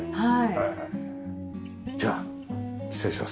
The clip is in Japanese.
はい。